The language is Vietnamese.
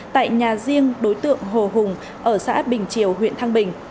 tại nhà riêng đối tượng hồ hùng ở xã bình triều huyện thăng bình